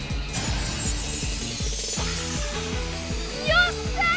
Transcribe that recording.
よっしゃ！